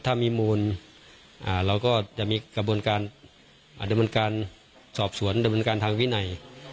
ถ้ามีมูลเราก็จะมีกระบวนการสอบสวนดำเภอบอกการทางวินัย